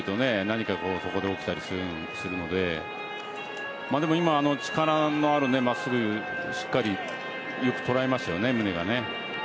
何かここに起きたりするのででも今、力のある真っすぐしっかりよく捉えましたよね、宗がね。